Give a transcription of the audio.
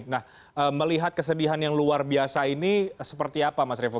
nah melihat kesedihan yang luar biasa ini seperti apa mas revo